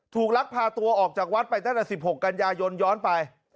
ลักพาตัวออกจากวัดไปตั้งแต่๑๖กันยายนย้อนไป